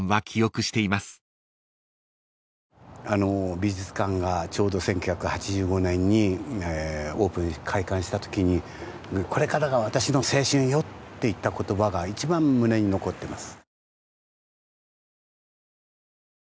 美術館がちょうど１９８５年に開館したときにこれからが私の青春よって言った言葉が一番胸に残ってます。